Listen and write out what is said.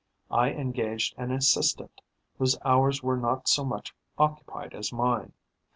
I engaged an assistant whose hours were not so much occupied as mine.